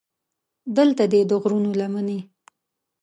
دلته دې د غرو لمنې.